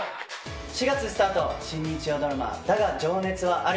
４月スタート、新日曜ドラマ、だが、情熱はある。